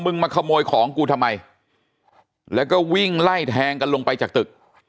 มาขโมยของกูทำไมแล้วก็วิ่งไล่แทงกันลงไปจากตึก